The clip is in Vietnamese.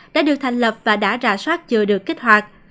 đã được thành lập và đã rà soát chưa được kích hoạt